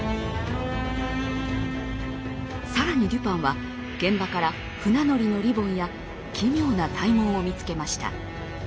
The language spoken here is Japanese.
更にデュパンは現場から船乗りのリボンや奇妙な体毛を見つけました。